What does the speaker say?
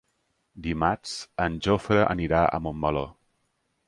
Dimarts en Jofre anirà a Montmeló.